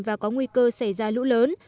và có nguy cơ xảy ra lũ lớn